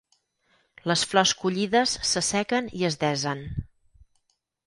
Les flors collides s'assequen i es desen.